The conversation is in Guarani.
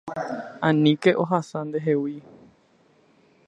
Aníke ohasa ndehegui.